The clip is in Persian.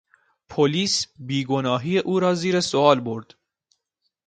پلیس بیگناهی او را زیر سئوال برد.